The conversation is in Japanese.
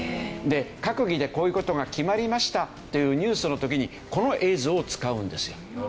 閣議でこういう事が決まりましたっていうニュースの時にこの映像を使うんですよ。